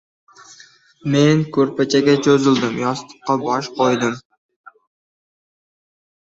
Men ko‘rpachaga cho‘zildim, yostiqqa bosh qo‘ydim.